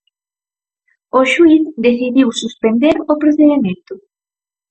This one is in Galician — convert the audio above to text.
O xuíz decidiu suspender o procedemento.